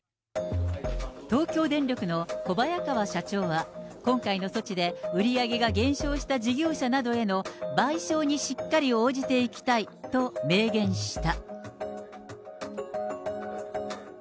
東京電力の小早川社長は、今回の措置で、売り上げが減少した事業者などへの賠償にしっかり応じていきたいと明言した。